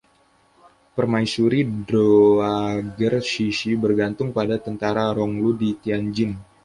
Permaisuri Dowager Cixi bergantung pada tentara Ronglu di Tianjin.